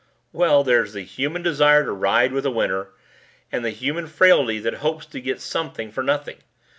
"Well, there's the human desire to ride with a winner, and the human frailty that hopes to get something for nothing.